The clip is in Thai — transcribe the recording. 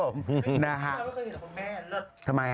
ครับผมนะฮะ